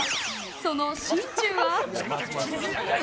その心中は。